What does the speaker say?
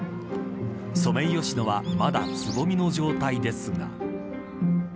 ソメイヨシノはまだつぼみの状態ですが。